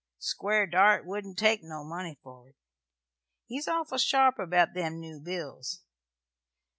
Squire Dart wouldn't take no money for 't. He's awful sharp about them new bills.